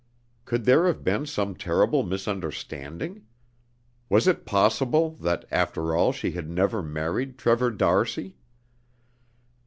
Could there have been some terrible misunderstanding? Was it possible that after all she had never married Trevor d'Arcy?